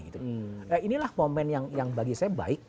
inilah momen yang bagi saya baik